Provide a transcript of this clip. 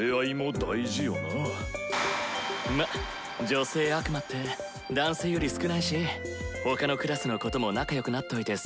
女性悪魔って男性より少ないし他のクラスの子とも仲良くなっといて損はないな。